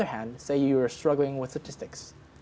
sebaliknya katakanlah anda berjuang dengan statistik